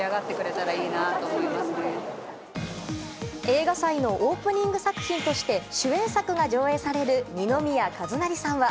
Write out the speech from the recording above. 映画祭のオープニング作品として主演作が上映される二宮和也さんは。